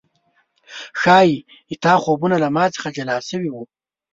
ښايي ستا خوبونه له ما څخه جلا شوي و